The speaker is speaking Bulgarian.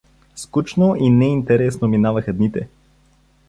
Скучно и неинтересно минаваха дните.